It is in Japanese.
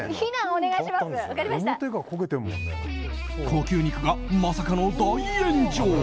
高級肉がまさかの大炎上。